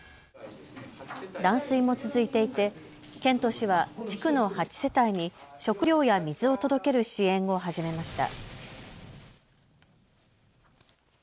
断水も続いていて県と市は地区の８世帯に食料や水を届ける支援を始めました。